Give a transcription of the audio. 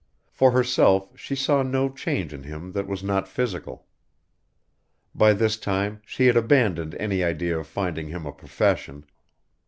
For herself she saw no change in him that was not physical. By this time she had abandoned any idea of finding him a profession.